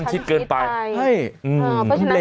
โอ้โหโอ้โห